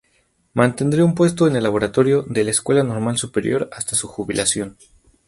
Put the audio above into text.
Mantendría un puesto en el laboratorio de la Escuela Normal Superior hasta su jubilación.